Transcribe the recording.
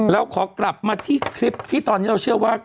เราขอกลับมาที่คลิปที่ตอนนี้เราเชื่อว่า